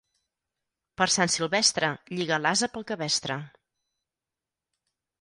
Per Sant Silvestre lliga l'ase pel cabestre.